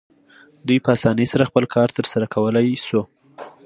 دوی په اسانۍ سره خپل کار ترسره کولی شو.